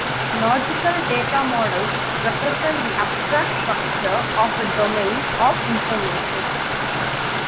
Logical data models represent the abstract structure of a domain of information.